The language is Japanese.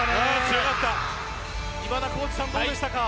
今田耕司さん、どうでしたか。